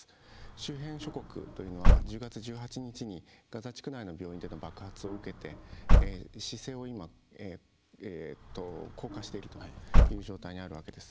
周辺諸国というのは１０月１８日にガザ地区内の病院内での爆発を受けて姿勢を硬化しているという状態にあるわけです。